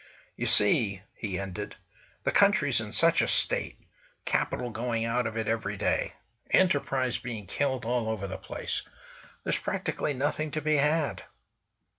"You see," he ended, "the country's in such a state—capital going out of it every day. Enterprise being killed all over the place. There's practically nothing to be had!"